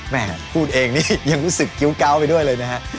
แหมพูดเองนี่ยังรู้สึกกิ้วเก้าไปด้วยเลยนะฮะ